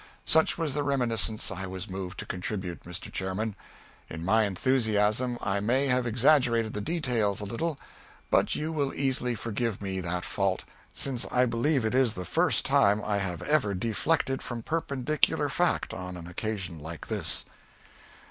Such was the reminiscence I was moved to contribute, Mr. Chairman. In my enthusiasm I may have exaggerated the details a little, but you will easily forgive me that fault, since I believe it is the first time I have ever deflected from perpendicular fact on an occasion like this.